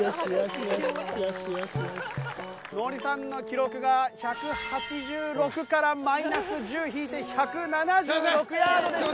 ノリさんの記録が１８６からマイナス１０引いて１７６ヤードでした。